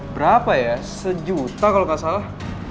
berapa ya sejuta kalo gak salah